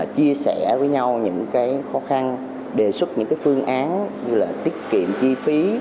chia sẻ với nhau những cái khó khăn đề xuất những cái phương án như là tiết kiệm chi phí